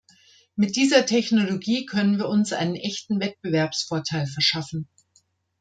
Mit dieser Technologie können wir uns einen echten Wettbewerbsvorteil verschaffen.